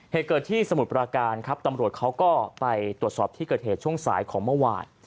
เหตุเกิดที่สมุทรปราการครับตำรวจเขาก็ไปตรวจสอบที่เกิดเหตุช่วงสายของเมื่อวาน